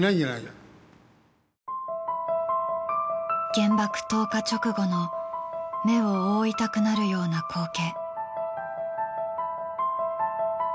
原爆投下直後の目を覆いたくなるような光景。